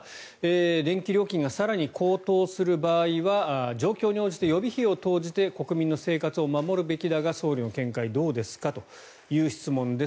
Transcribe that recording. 電気料金が更に高騰する場合は状況に応じて予備費を投じて国民の生活を守るべきだが総理の見解、どうですかという質問です。